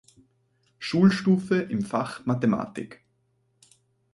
Schulstufe im Fach Mathematik.